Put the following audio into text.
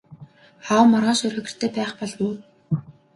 Аав маргааш орой гэртээ байх болов уу?